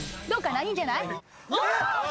いいんじゃない？